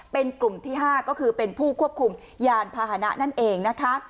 เป็นกลุ่มที่๕ก็คือเป็นผู้ควบคุมยานพาหนะนั่นเองนะคะ